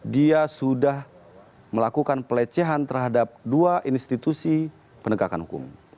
dia sudah melakukan pelecehan terhadap dua institusi penegakan hukum